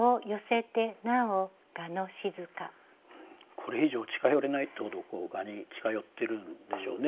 これ以上近寄れないってほど蛾に近寄ってるんでしょうね。